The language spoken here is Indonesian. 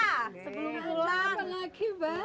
sebelum keluar apa lagi mbak